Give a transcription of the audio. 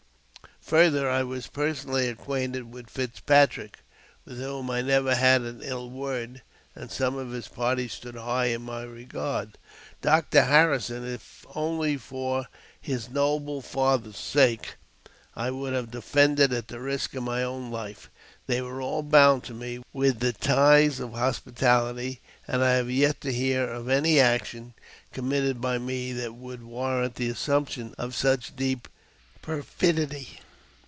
Further, I was personally acquainted with Fitzpatrick, with whom I never had an ill word ; and some of his party stood high in my regard. Dr. Harrison, if only for his noble father's sake, I would have defended at the risk of my own life. They were all bound to me with the ties of hospitality, and I have yet to hear of any action committed by me that would warrant the assumption of such deep perfidy.